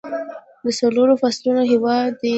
د څلورو فصلونو هیواد دی.